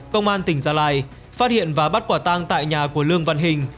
công an tỉnh gia lai phát hiện và bắt quả tang tại nhà của lương văn hình